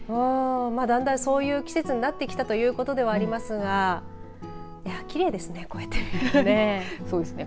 だんだん、そういう季節になってきたということではありますがきれいですねこうやって見るとね。